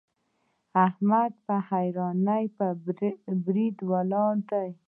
احمد د حيرانۍ پر بريد ولاړ دی.